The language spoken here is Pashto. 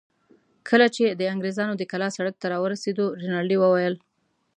کله چې د انګرېزانو د کلا سړک ته راورسېدو، رینالډي وویل.